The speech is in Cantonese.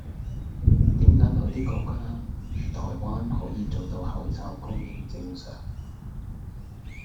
點解某啲國家如台灣可以做到口罩供應正常